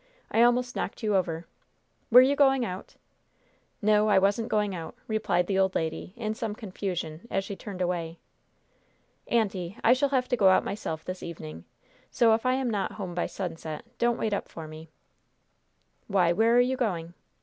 I almost knocked you over. Were you going out?" "No, I wasn't going out," replied the old lady, in some confusion, as she turned away. "Aunty, I shall have to go out myself this evening, so, if I am not home by sunset, don't wait up for me." "Why, where are you going?"